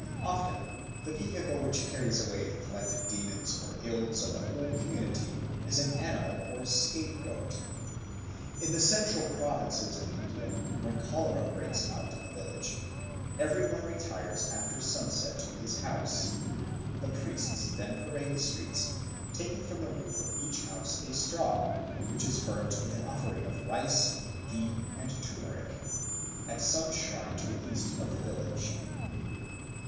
Often the vehicle which carries away the collected demons or ills of a whole community is an animal or scapegoat. In the Central Provinces of India, when cholera breaks out in a village, every one retires after sunset to his house. The priests then parade the streets, taking from the roof of each house a straw, which is burnt with an offering of rice, ghee, and turmeric, at some shrine to the east of the village.